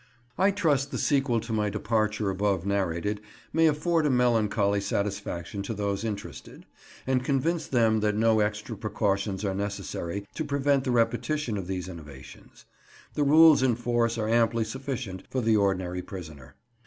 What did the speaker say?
I trust the sequel to my departure above narrated may afford a melancholy satisfaction to those interested, and convince them that no extra precautions are necessary to prevent the repetition of these innovations; the rules in force are amply sufficient for the ordinary prisoner.